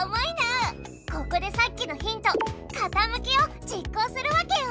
ここでさっきのヒント「かたむき」を実行するわけよ。